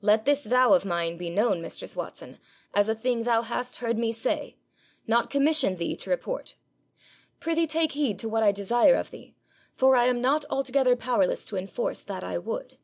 Let this vow of mine be known, mistress Watson, as a thing thou hast heard me say, not commission thee to report. Prithee take heed to what I desire of thee, for I am not altogether powerless to enforce that I would.'